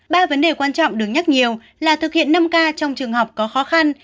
ba vấn đề quan trọng được nhắc nhiều là thực hiện năm k trong trường học có khó khăn